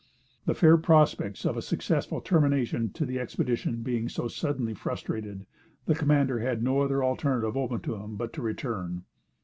The fair prospects of a successful termination to the expedition being so suddenly frustrated, the commander had no other alternative open to him but to return.